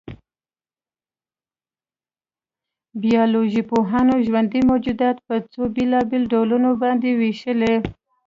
بایولوژيپوهان ژوندي موجودات په څو بېلابېلو ډولونو باندې وېشي.